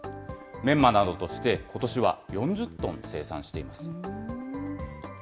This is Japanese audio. メンマなどとして、ことしは４０トン生産しています。